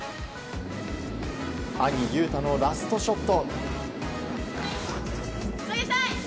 兄・雄太のラストショット。